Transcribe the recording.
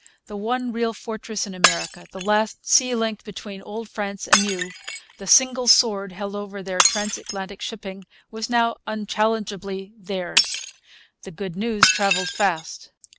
The one real fortress in America, the last sea link between Old France and New, the single sword held over their transatlantic shipping, was now unchallengeably theirs. The good news travelled fast.